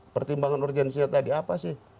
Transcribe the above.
pertimbangan urgensinya tadi apa sih